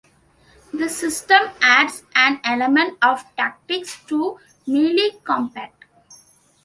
This system adds an element of tactics to melee combat.